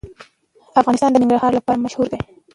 افغانستان د ننګرهار لپاره مشهور دی.